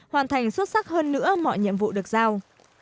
hoàn thành xuất sắc hơn nữa mọi nhiệm vụ được giao